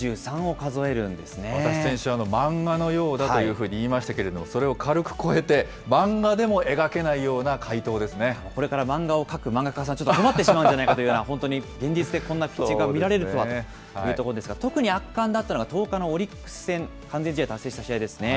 私、先週、漫画のようだと言いましたけれども、それを軽く超えて、漫画でも描けないような快これから漫画を描く漫画家さん、ちょっと困ってしまうんじゃないかという、本当に現実でこんなピッチングが見られるとはというところですが、特に圧巻だったのが、１０日のオリックス戦、完全試合達成した試合ですね。